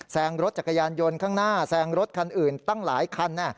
รถจักรยานยนต์ข้างหน้าแซงรถคันอื่นตั้งหลายคัน